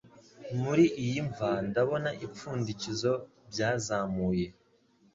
muri iyi mva Ndabona ibipfundikizo byazamuye